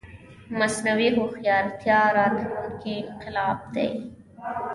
مصنوعي هوښيارتيا راتلونکې انقلاب دی